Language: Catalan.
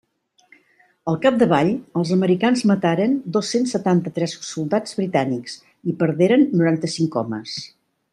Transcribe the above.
Al capdavall els americans mataren dos-cents setanta-tres soldats britànics i perderen noranta-cinc homes.